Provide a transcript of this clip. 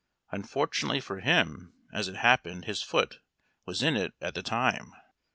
Unfortu nately for him as it hap pened his foot was in it at the time.